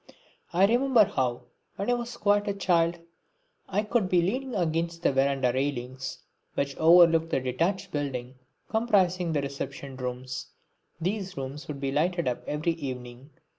I remember how, when I was quite a child, I would be leaning against the verandah railings which overlooked the detached building comprising the reception rooms. These rooms would be lighted up every evening.